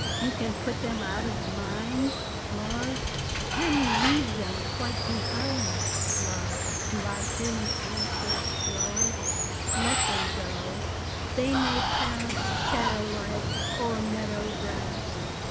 You can put them out of mind, love ? Can you leave them quite behind, love ? Do I hear you answer, low ? Let them go ! 53 GOOD BYE. They may pass, Shadow like, o'er meadow grass.